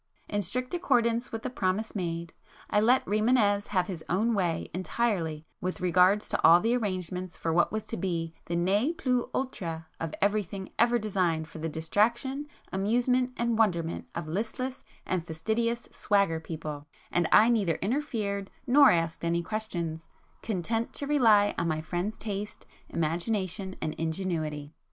In strict accordance with the promise made, I let Rimânez have his own way entirely with regard to all the arrangements for what was to be the ne plus ultra of everything ever designed for the distraction, amusement and wonderment of listless and fastidious 'swagger' people, and I neither interfered, nor asked any questions, content to rely on my friend's taste, imagination and ingenuity.